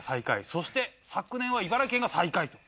そして昨年は茨城県が最下位と。